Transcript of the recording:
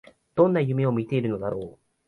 どんな夢を見ているのだろう